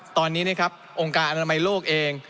ตอนนี้นะครับองค์การอนามัยโลกเอง